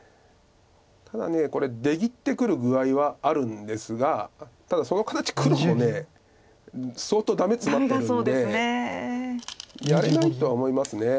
ただこれ出切ってくる具合はあるんですがただその形黒も相当ダメツマってるんでやれないとは思います。